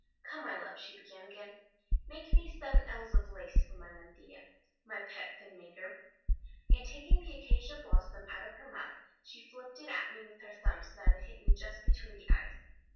"'Come, my love!' she began again, 'make me seven ells of lace for my mantilla, my pet pin maker!' "And taking the acacia blossom out of her mouth she flipped it at me with her thumb so that it hit me just between the eyes.